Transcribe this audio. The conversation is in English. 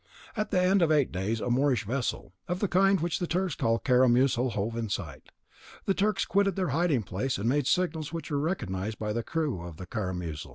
At the end of eight days a Moorish vessel, of the kind which the Turks call caramuzal, hove in sight; the Turks quitted their hiding place, and made signals which were recognised by the crew of the caramuzal.